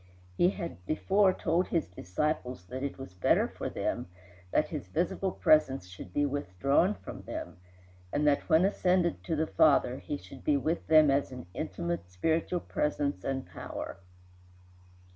He had before told his disciples that it was better for them that his visible presence should be withdrawn from them, and that when ascended to the Father he should be with them as an intimate spiritual presence and power.